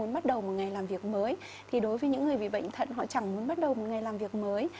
người làm việc mới thì đối với những người bị bệnh thận họ chẳng muốn bắt đầu một ngày làm việc mới